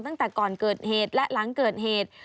ตั้งแต่ก่อนเกิดเหตุและหลังเกิดเหตุ